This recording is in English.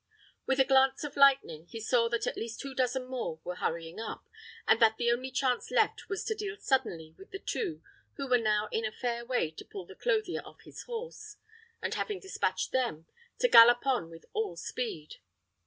With a glance of lightning he saw that at least a dozen more were hurrying up, and that the only chance left was to deal suddenly with the two, who were now in a fair way to pull the clothier off his horse, and having despatched them, to gallop on with all speed.